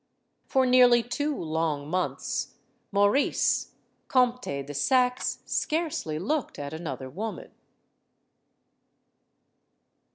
For nearly two long months, Maurice, Comte de Saxe, scarcely looked at another woman.